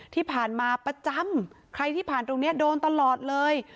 ที่ผ่านมาประจำใครที่ผ่านตรงนี้โดนตลอดเลย